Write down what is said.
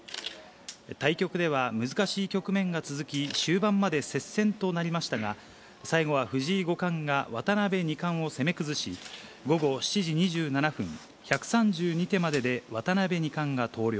対局では難しい局面が続き、終盤まで接戦となりましたが、最後は藤井五冠が渡辺二冠を攻め崩し、午後７時２７分、１３２手までで渡辺二冠が投了。